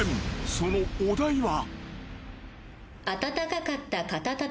［そのお題は］